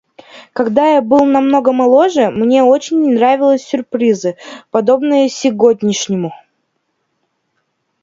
Когда я был намного моложе, мне очень нравились сюрпризы, подобные сегодняшнему.